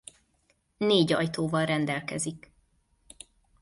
Négy ajtóval rendelkezik.